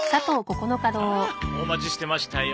ああお待ちしてましたよ。